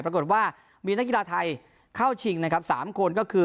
ปรากฏว่ามีนักกีฬาไทยเข้าชิงนะครับ๓คนก็คือ